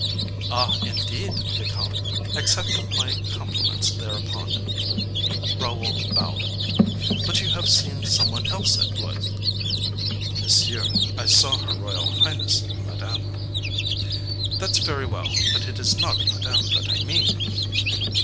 "Ah, indeed, vicomte? Accept my compliments thereupon." Raoul bowed. "But you have seen some one else at Blois?" "Monsieur, I saw her royal highness, Madame." "That's very well: but it is not Madame that I mean."